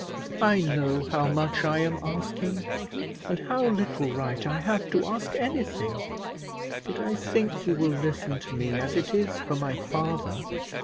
I know how much I am asking, and how little right I have to ask anything; but I think you will listen to me as it is for my father.